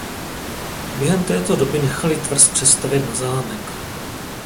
Během této doby nechali tvrz přestavět na zámek.